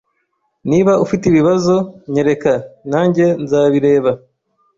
Niba ufite ibibazo, nyereka, nanjye nzabireba